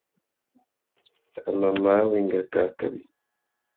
A mà māh wenga kā kawi.